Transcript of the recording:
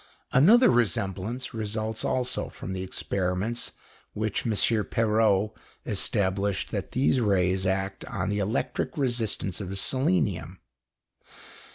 Another resemblance results also from the experiments by which M. Perreau established that these rays act on the electric resistance of selenium.